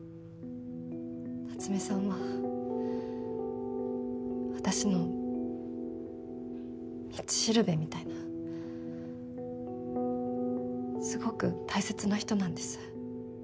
夏目さんは私の道しるべみたいなすごく大切な人なんです。